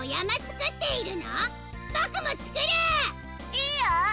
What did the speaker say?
いいよ！